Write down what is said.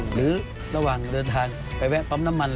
หรือระหว่างเดินทางไปแวะปั๊มน้ำมัน